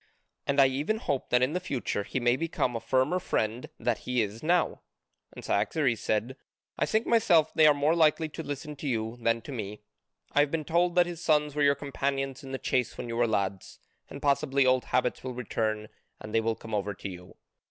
And I even hope that in the future he may become a firmer friend that he is now." And Cyaxares said: "I think myself they are more likely to listen to you than to me. I have been told that his sons were your companions in the chase when you were lads, and possibly old habits will return and they will come over to you.